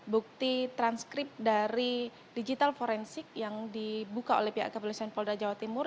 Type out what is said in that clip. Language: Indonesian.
bukti transkrip dari digital forensik yang dibuka oleh pihak kepolisian polda jawa timur